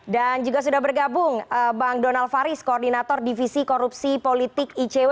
dan juga sudah bergabung bang donald faris koordinator divisi korupsi politik icw